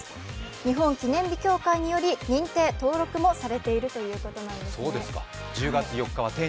日本記念日協会により認定、登録もされているそうです。